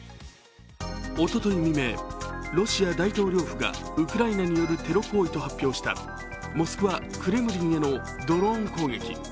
おととい未明、ロシア大統領府がウクライナによるテロ行為と発表したモスクワ・クレムリンへのドローン攻撃。